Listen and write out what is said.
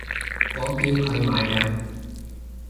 我叫佢買㗎